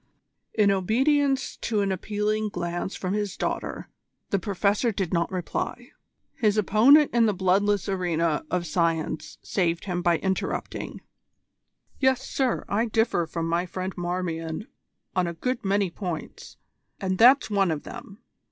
In obedience to an appealing glance from his daughter, the Professor did not reply. His opponent in the bloodless arena of Science saved him by interrupting: "Yes, sir. I differ from my friend Marmion on a good many points, and that's one of them.